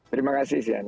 terima kasih cnn